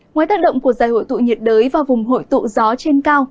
ngoài tác động của giải hội tụ nhiệt đới và vùng hội tụ gió trên cao